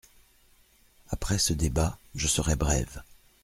Après ce débat, je serai brève.